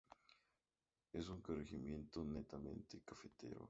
Es un corregimiento netamente cafetero.